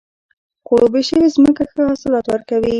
خړوبې شوې ځمکه ښه حاصلات ورکوي.